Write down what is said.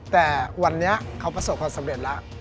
แต่วันนี้เขาประสบความสำเร็จแล้ว